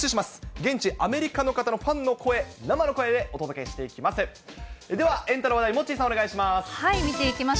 現地、アメリカの方のファンの声、生の声でお届けしていきます。